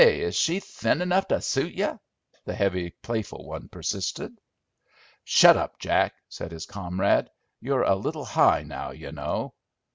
Is she thin 'nough to suit you?" the heavy playful one persisted. "Shut up, Jack!" said his comrade. "You're a little high now, you know."